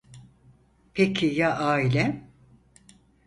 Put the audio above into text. Peki ya ailem?